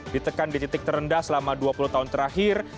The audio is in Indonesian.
ditekan di titik terendah selama dua puluh tahun terakhir